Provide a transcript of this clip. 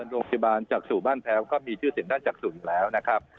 โรงพยาบาลจักรศูอุบ้านแพ้มีชื่อแสดงใจจักศูอยู่แล้วนะครับ